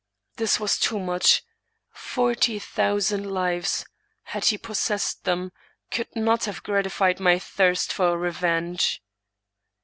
This was too much. Forty thousand lives, had he possessed them, could not have gratified my thirst for revenge.